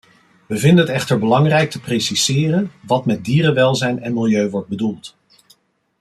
Wij vinden het echter belangrijk te preciseren wat met dierenwelzijn en milieu wordt bedoeld.